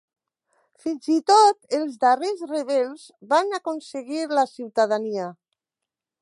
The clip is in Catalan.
Fins i tot, els darrers rebels van aconseguir la ciutadania.